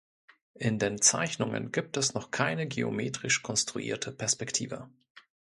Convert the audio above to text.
In den Zeichnungen gibt es noch keine geometrisch konstruierte Perspektive.